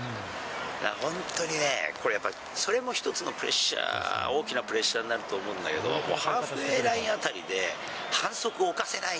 本当にね、これやっぱり、それも一つのプレッシャー、大きなプレッシャーになると思うんだけど、ハーフウエーライン辺りで、反則を犯せない。